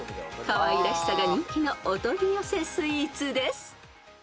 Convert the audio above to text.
［かわいらしさが人気のお取り寄せスイーツです］